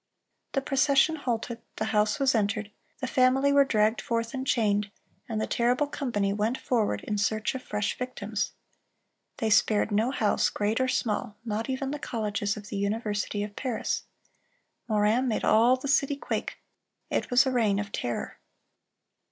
The procession halted, the house was entered, the family were dragged forth and chained, and the terrible company went forward in search of fresh victims. They "spared no house, great or small, not even the colleges of the University of Paris.... Morin made all the city quake.... It was a reign of terror."